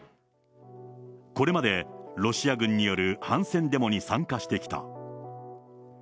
これまでロシア軍による反戦デモに参加してきた。